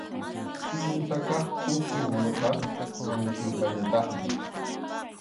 Kimsa kaq pukyu unuqa Anhilpañataqmi.